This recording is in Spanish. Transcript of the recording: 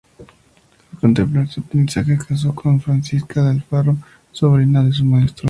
Al completar su aprendizaje casó con Francisca de Alfaro, sobrina de su maestro.